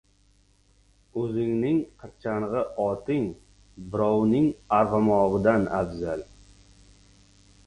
• O‘zingning qirchang‘i oting birovning arg‘umog‘idan afzal.